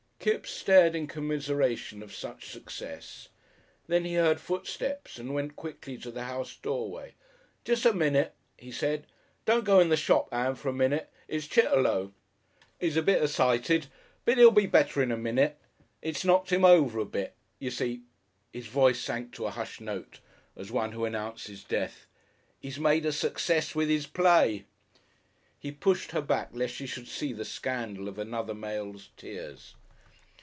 Kipps stared in commiseration of such success. Then he heard footsteps and went quickly to the house doorway. "Jest a minute," he said. "Don't go in the shop, Ann, for a minute. It's Chitterlow. He's a bit essited. But he'll be better in a minute. It's knocked him over a bit. You see" his voice sank to a hushed note as one who announces death "'e's made a success with his play." He pushed her back lest she should see the scandal of another male's tears....